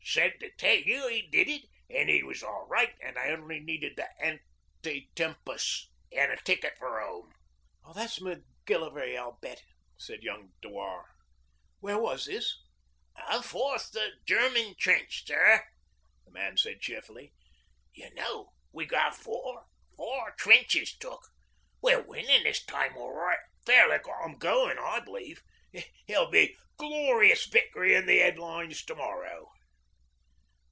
'Said to tell you 'e did it an' it was all right, an' I only needed the anti tempus an' a ticket for 'ome.' 'That's Macgillivray, I'll bet,' said young Dewar. 'Where was this?' 'Fourth German trench, sir,' said the man cheerfully. 'You know we got four? Four trenches took! We're winnin' this time orright. Fairly got 'em goin', I b'lieve. It'll be Glorious Vict'ry in the 'eadlines to morrow.'